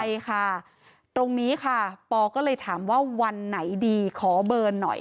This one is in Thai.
ใช่ค่ะตรงนี้ค่ะปอก็เลยถามว่าวันไหนดีขอเบิร์นหน่อย